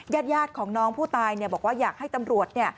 ญาติของน้องผู้ตายบอกว่าอยากให้ตำรวจ